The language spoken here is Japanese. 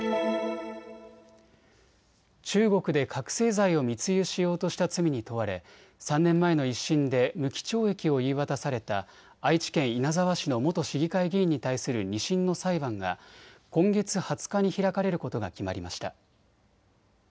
中国で覚醒剤を密輸しようとした罪に問われ３年前の１審で無期懲役を言い渡された愛知県稲沢市の元市議会議員に対する２審の裁判が今月２０日に開かれることが決まりました。